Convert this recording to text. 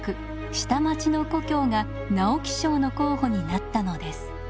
「下町の故郷」が直木賞の候補になったのです。